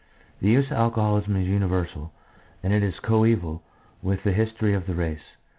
The use of alcohol is universal, and is coeval with the history of the race.